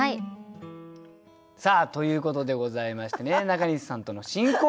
さあということでございましてね中西さんとの新コーナー。